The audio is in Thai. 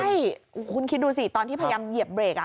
ใช่คุณคิดดูสิตอนที่พยายามเหยียบเบรก